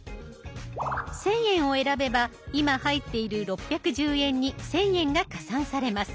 １，０００円を選べば今入っている６１０円に１，０００円が加算されます。